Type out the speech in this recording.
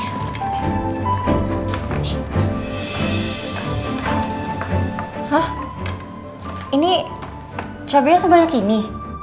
hah ini cabainya sebanyak ini